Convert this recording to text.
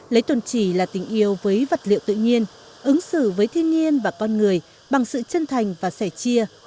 lấy tồn chỉ là tình yêu với vật liệu tự nhiên ứng xử với thiên nhiên và con người bằng sự chân thành và sẻ chia